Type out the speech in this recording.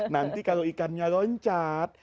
nanti kalau ikannya loncat